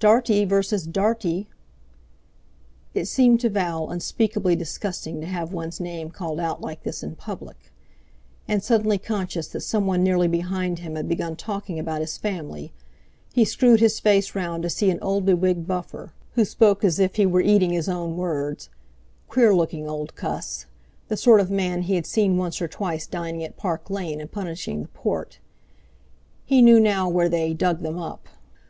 "Dartie versus Dartie!" It seemed to Val unspeakably disgusting to have one's name called out like this in public! And, suddenly conscious that someone nearly behind him had begun talking about his family, he screwed his face round to see an old be wigged buffer, who spoke as if he were eating his own words—queer looking old cuss, the sort of man he had seen once or twice dining at Park Lane and punishing the port; he knew now where they "dug them up."